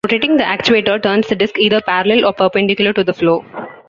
Rotating the actuator turns the disc either parallel or perpendicular to the flow.